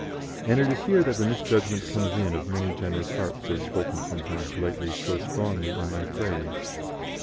And it is here that the misjudgment comes in of many generous hearts who have spoken sometimes lately so strongly in my praise.